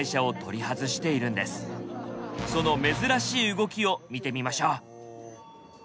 その珍しい動きを見てみましょう。